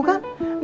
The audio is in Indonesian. gak tau kan